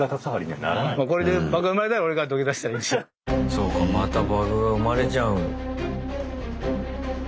そうかまたバグが生まれちゃう。